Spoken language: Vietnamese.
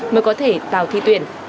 mới có thể vào thi tuyển